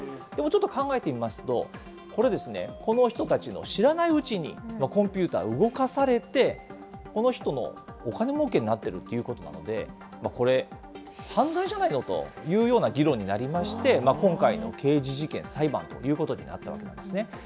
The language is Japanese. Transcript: でもちょっと考えてみますと、これ、この人たちの知らないうちに、コンピューターを動かされて、この人のお金もうけになってるということなので、これ、犯罪じゃないの？というような議論になりまして、今回の刑事事件、裁判ということになったわけなんですね。